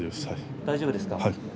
大丈夫です。